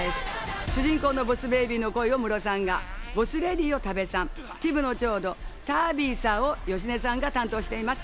主人公のボス・ベイビーの声をムロさんが、ボス・レディを多部さんが、ティムの長女・タビサを芳根さんが担当しています。